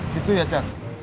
gitu ya jack